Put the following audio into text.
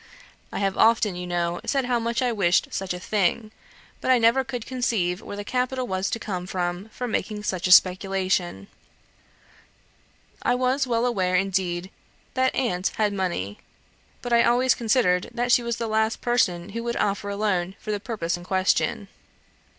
I have often, you know, said how much I wished such a thing; but I never could conceive where the capital was to come from for making such a speculation. I was well aware, indeed, that aunt had money, but I always considered that she was the last person who would offer a loan for the purpose in question.